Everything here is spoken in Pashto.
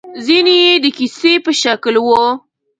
ځينې يې د کيسې په شکل وو.